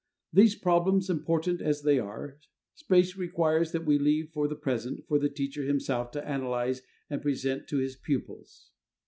These problems, important as they are, space requires that we leave for the present for the teacher himself to analyze and present to his pupils.